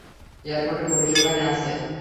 Airport police ওখানে আছে।